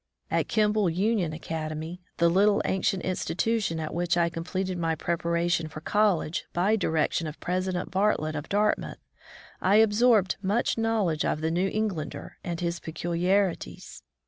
At Kimball Union Academy, the little ancient institution at which I completed my preparation for college by direction of President Bartlett of Dartmouth, I absorbed much knowledge of the New Englander and his peculiarities.